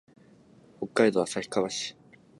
北海道旭川市